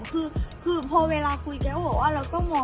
คือพอเวลาคุยแกก็บอกว่าเราก็มองภาพรวม